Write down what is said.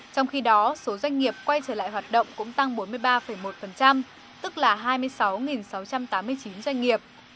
trong khi đó số doanh nghiệp quay trở lại hoạt động cũng tăng bốn mươi ba một tức là hai mươi sáu sáu trăm tám mươi chín doanh nghiệp